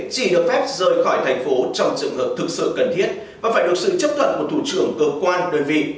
chỉ được phép rời khỏi thành phố trong trường hợp thực sự cần thiết và phải được sự chấp thuận của thủ trưởng cơ quan đơn vị